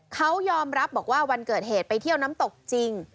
เขายอมรับบอกว่าวันเกิดเหตุไปเที่ยวน้ำตกจริง